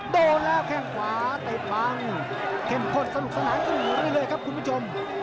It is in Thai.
โดนแล้วแข้งขวาเตะบังเข้มข้นสนุกสนานขึ้นอยู่เรื่อยครับคุณผู้ชม